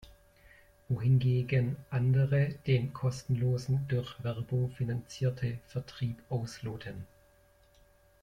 Wohingegen andere den kostenlosen durch Werbung finanzierte Vertrieb ausloten.